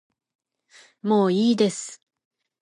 もういいです